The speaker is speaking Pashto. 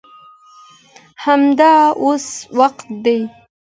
همدا اوس وخت دی.